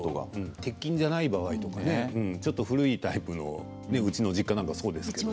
鉄筋じゃない場合とか古いタイプの、うちの実家はそうですけれども。